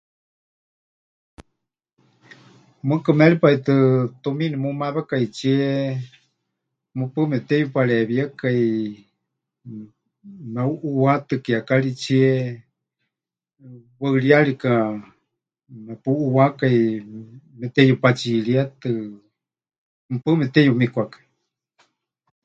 Mɨɨkɨ méripai tɨ tumiini mumawekaitsie mɨpaɨ mepɨteyuparewíekai, meuʼuuwátɨ kiekaritsie, waɨríyarika mepuʼuuwákai meteyupatsiríetɨ, mɨpaɨ mepɨteyumikwakai.